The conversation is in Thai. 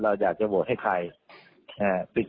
โหวตตามเสียงข้างมาก